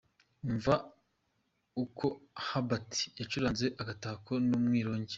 Umva uko Herbert yacuranze ’Agatako’ n’umwirongi.